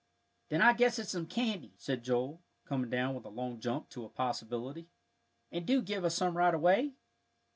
"Then I guess it's some candy," said Joel, coming down with a long jump to a possibility; "and do give us some right away."